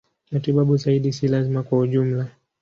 Matibabu zaidi si lazima kwa ujumla.